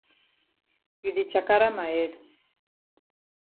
You di chakara ma head.